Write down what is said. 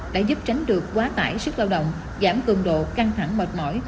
đã giúp tránh được quá tải sức lao động giảm cường độ căng thẳng mệt mỏi